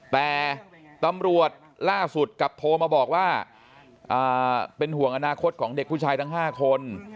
แต่ตำรวจล่าสุดกลับโทรมาบอกว่าเป็นห่วงอนาคตของเด็กผู้ชายทั้ง๕คน